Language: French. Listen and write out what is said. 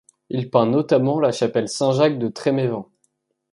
Il peint notamment la chapelle Saint-Jacques de Tréméven.